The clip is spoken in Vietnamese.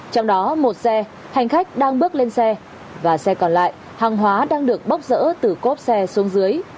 trong đó một xe hành khách đang bước lên xe và xe còn lại hàng hóa đang được bóc rỡ từ cốp xe xuống dưới